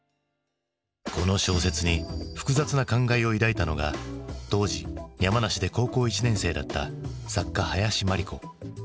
この小説に複雑な感慨を抱いたのが当時山梨で高校１年生だった作家林真理子。